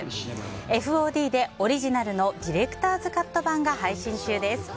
ＦＯＤでオリジナルのディレクターズカット版が配信中です。